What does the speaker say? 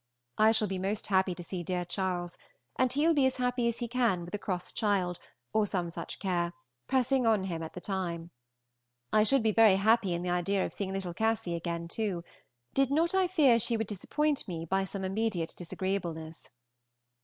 I shall be most happy to see dear Charles, and he will be as happy as he can with a cross child, or some such care, pressing on him at the time. I should be very happy in the idea of seeing little Cassy again, too, did not I fear she would disappoint me by some immediate disagreeableness.